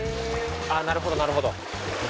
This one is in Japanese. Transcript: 「あっなるほどなるほど」